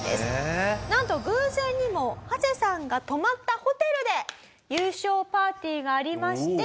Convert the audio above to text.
なんと偶然にもハセさんが泊まったホテルで優勝パーティーがありまして。